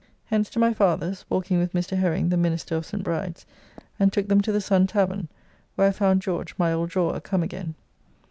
Hence to my father's (walking with Mr. Herring, the minister of St. Bride's), and took them to the Sun Tavern, where I found George, my old drawer, come again.